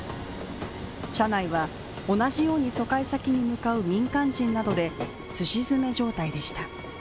車内は同じように疎開先に向かう民間人などですし詰め状態でした。